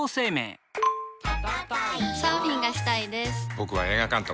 僕は映画監督。